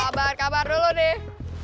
kabar kabar dulu nih